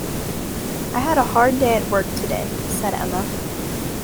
"I had a hard day at work today," said Emma